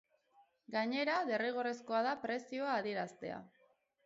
Gainera, derrigorrezkoa da prezioa adieraztea.